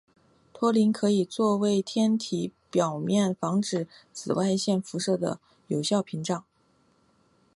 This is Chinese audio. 托林可以作为天体表面防止紫外线辐射的有效屏障。